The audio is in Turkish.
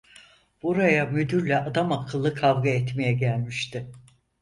Buraya müdürle adamakıllı kavga etmeye gelmişti.